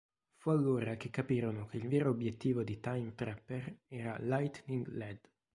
Fu allora che capirono che il vero obiettivo di Time Trapper era Lightning Lad.